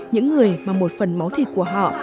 những người mà một phần máu thịt của họ